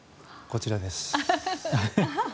こちらです。